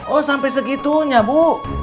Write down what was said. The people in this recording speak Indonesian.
oh sampai segitunya bu